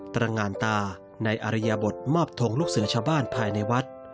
ตรงานตาในอริยบทมอบทงลูกเสือชาวบ้านภายในวัด